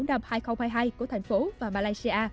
năm hai nghìn hai mươi hai của thành phố và malaysia